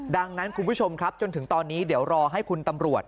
ดังนั้นคุณผู้ชมครับจนถึงตอนนี้เดี๋ยวรอให้คุณตำรวจ